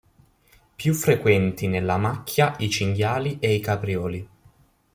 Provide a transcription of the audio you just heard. Più frequenti nella macchia i cinghiali e i caprioli.